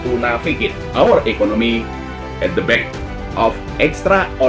dan mengucapkan penghargaan dengan sangat keras pada pemerintah dan agensi lain